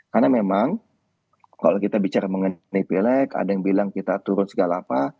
karena memang kalau kita bicara mengenai pileg ada yang bilang kita turun segala apa